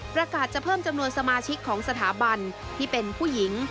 ประกาศจะเพิ่มจำนวนสมาชิกของสถาบันที่เป็นผู้หญิง